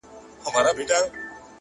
د وطن گل بوټي و نه مري له تندې!